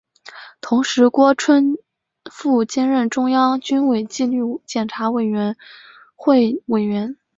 同时郭春富兼任中央军委纪律检查委员会委员。